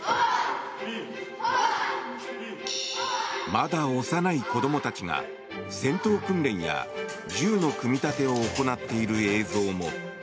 まだ幼い子供たちが戦闘訓練や銃の組み立てを行っている映像も。